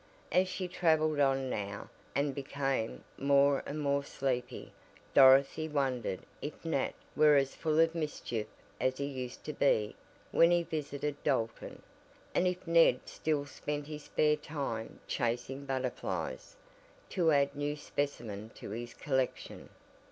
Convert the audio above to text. As she traveled on now, and became more and more sleepy Dorothy wondered if Nat were as full of mischief as he used to be when he visited Dalton, and if Ned still spent his spare time chasing butterflies to add new specimen to his collection.